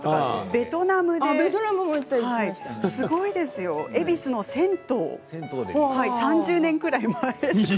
ベトナムで、すごいですよ恵比寿の銭湯で３０年くらい前。